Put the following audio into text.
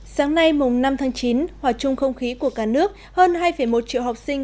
sáng nay mùng năm tháng chín hòa chung không khí của cả nước hơn hai một triệu học sinh